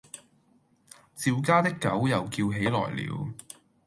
趙家的狗又叫起來了。